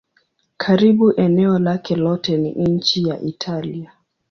Karibu eneo lake lote ni nchi ya Italia.